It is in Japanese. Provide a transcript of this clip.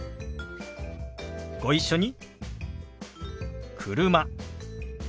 ご一緒に。